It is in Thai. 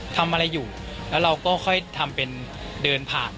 ทำอะไรอยู่แล้วเราก็ค่อยทำเป็นเดินผ่าน